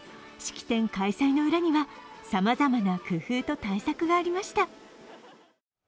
式典開催の裏には、さまざまな工夫と対策がありました。